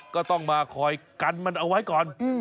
ก็ต้องมาคอยกันมันเอาไว้ก่อน